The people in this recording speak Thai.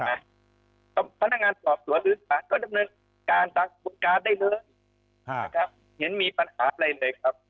เห็นมีปัญหาอะไรเลยครับ